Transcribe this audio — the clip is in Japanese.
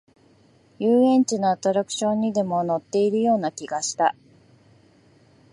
遊園地のアトラクションにでも乗っているような気がした